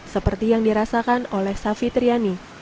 seperti yang dirasakan oleh savi triani